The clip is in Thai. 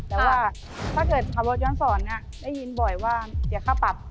แต่ว่าถ้าเกิดขับรถย้อนสอนได้ยินบ่อยว่าเสียค่าปรับ